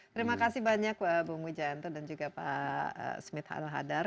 terima kasih banyak bung wijanto dan juga pak smith al hadar